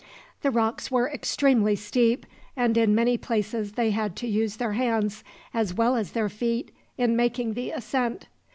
The rocks were extremely steep, and in many places they had to use their hands, as well as their feet, in making the ascent.